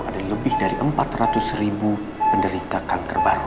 ada lebih dari empat ratus ribu penderita kanker baru